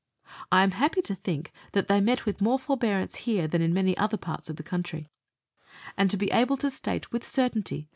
I am happy to think that they met with more forbearance here than in many other parts of the country, and to be able to state with certainty Letters from Victorian Pioneers.